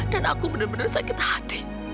dan aku benar benar sakit hati